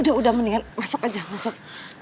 udah udah mendingan masuk aja masuk